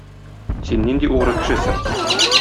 Син нинди угры кешесең?